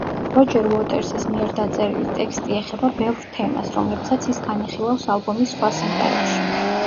როჯერ უოტერსის მიერ დაწერილი ტექსტი ეხება ბევრ თემას, რომლებსაც ის განიხილავს ალბომის სხვა სიმღერებში.